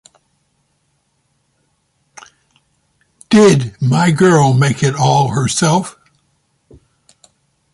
Did my girl make it all herself?